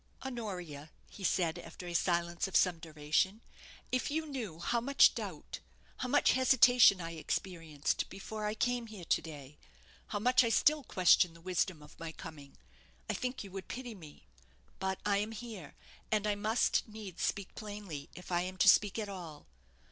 "Honoria," he said, after a silence of some duration, "if you knew how much doubt how much hesitation I experienced before I came here to day how much I still question the wisdom of my coming I think you would pity me. But I am here, and I must needs speak plainly, if I am to speak at all.